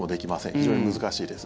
非常に難しいです。